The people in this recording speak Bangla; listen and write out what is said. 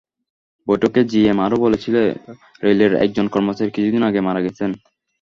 বৈঠকে জিএম আরও বলেছিলেন, রেলের একজন কর্মচারী কিছুদিন আগে মারা গেছেন।